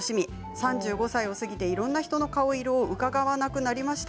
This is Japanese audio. ３５歳を過ぎていろいろな人の顔色をうかがわなくなりました。